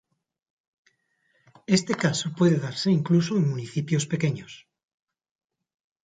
Este caso puede darse incluso en municipios pequeños.